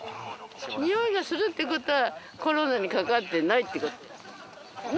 匂いがするってことは、コロナにかかってないってことよ。ね？